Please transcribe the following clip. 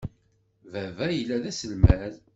Baba yella d aselmad.